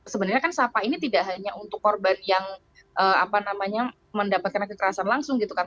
sebenarnya kan sapa ini tidak hanya untuk korban yang mendapatkan kekerasan langsung gitu kan